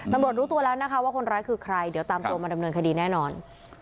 รู้ตัวแล้วนะคะว่าคนร้ายคือใครเดี๋ยวตามตัวมาดำเนินคดีแน่นอน